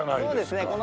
そうですね。